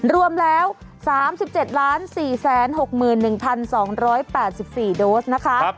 รวมแล้ว๓๗๔๖๑๒๘๔โดสนะคะ